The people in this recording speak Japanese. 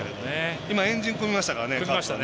今、円陣、組みましたね。